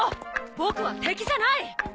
僕は敵じゃない！